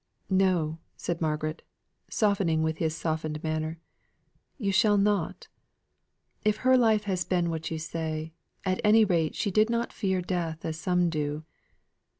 "No," said Margaret, softening with his softened manner. "You shall not. If her life has been what you say, at any rate she did not fear death as some do.